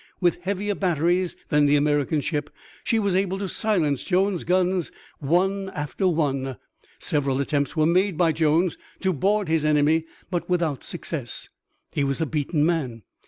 With heavier batteries than the American ship she was able to silence Jones' guns one after one. Several attempts were made by Jones to board his enemy but without success. He was a beaten man.